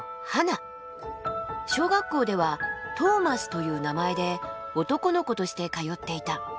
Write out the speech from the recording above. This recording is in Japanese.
小学校ではトーマスという名前で男の子として通っていた。